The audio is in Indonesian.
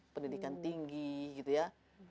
pendidikan tinggi gitu ya